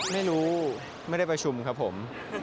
ไม่ได้ประชุมครับผม